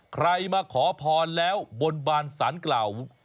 ใครมาขอพรแล้วบนบานสารกล่าว